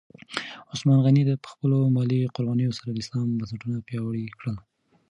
عثمان غني په خپلو مالي قربانیو سره د اسلام بنسټونه لا پیاوړي کړل.